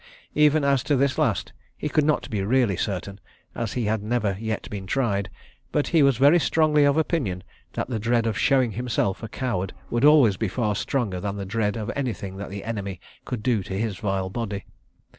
Even as to this last, he could not be really certain, as he had never yet been tried—but he was very strongly of opinion that the dread of showing himself a coward would always be far stronger than the dread of anything that the enemy could do to his vile body.